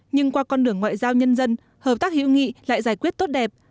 nhưng qua con đường ngoại giao nhân dân hợp tác hữu nghị lại giải quyết tốt đẹp